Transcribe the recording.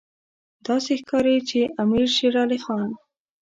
داسې ښکاري چې امیر شېر علي خان.